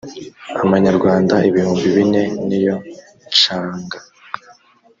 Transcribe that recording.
amanyarwanda ibihumbi bine niyo nshanga